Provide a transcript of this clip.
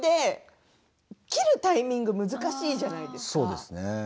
リモート飲みで切るタイミングは難しいじゃないですか。